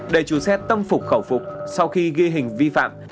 để chủ xe tâm phục khẩu phục sau khi ghi hình vi phạm